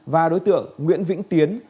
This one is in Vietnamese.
và đối tượng nguyễn vĩnh tiến